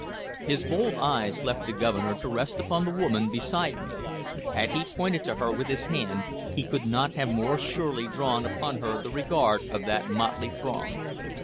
His bold eyes left the Governor, to rest upon the woman beside me; had he pointed to her with his hand, he could not have more surely drawn upon her the regard of that motley throng.